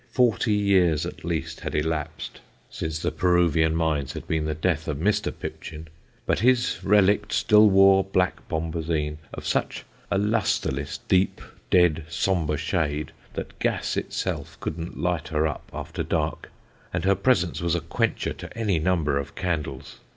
Forty years at least had elapsed since the Peruvian mines had been the death of Mr. Pipchin; but his relict still wore black bombazeen, of such a lustreless, deep, dead, sombre shade, that gas itself couldn't light her up after dark, and her presence was a quencher to any number of candles.